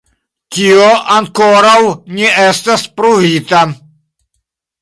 Tio ankoraŭ ne estas pruvita.